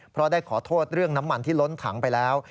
เพราะได้ขอโทษเรื่องน้ำมันที่ล้นถังไปแล้ว